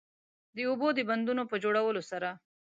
د اوبو د بندونو په جوړولو سره